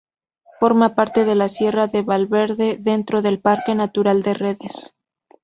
Forma parte de la sierra de Valverde, dentro del Parque Natural de Redes.